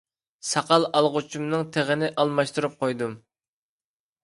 ساقال ئالغۇچۇمنىڭ تىغىنى ئالماشتۇرۇپ قويدۇم.